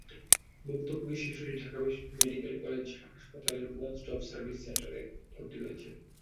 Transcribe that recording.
ভুক্তভোগী শিশুটি Dhaka medical college হাসপাতালের ওয়ান স্টপ সার্ভিস সেন্টারে ভর্তি রয়েছে।